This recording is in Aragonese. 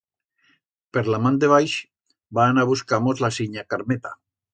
Per la man de baix va anar a buscar-mos la sinya Carmeta.